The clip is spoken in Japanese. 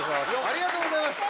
ありがとうございます！